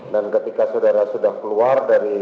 dan ketika saudara sudah keluar dari